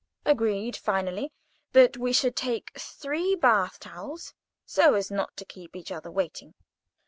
Agreed, finally, that we should take three bath towels, so as not to keep each other waiting.